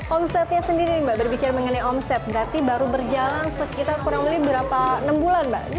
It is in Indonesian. omsetnya sendiri mbak berbicara mengenai omset berarti baru berjalan sekitar kurang lebih berapa enam bulan mbak